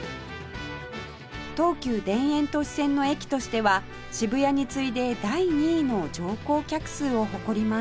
東急田園都市線の駅としては渋谷に次いで第２位の乗降客数を誇ります